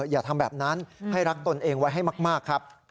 อย่าทำแบบนั้นให้รักตนเองไว้ให้มากครับ